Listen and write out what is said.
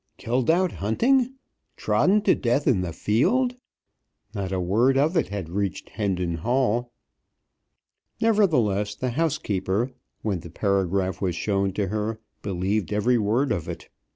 "Killed out hunting!" "Trodden to death in the field!" Not a word of it had reached Hendon Hall. Nevertheless the housekeeper, when the paragraph was shown to her, believed every word of it.